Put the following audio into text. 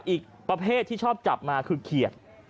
อีกประเภทที่ชอบจับมาคือเขียด